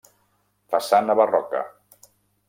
Façana barroca.